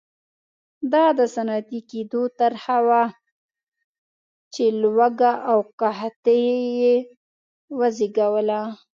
دا د صنعتي کېدو طرحه وه چې لوږه او قحطي یې وزېږوله.